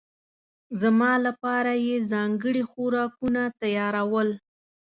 زما لپاره یې ځانګړي خوراکونه تيارول.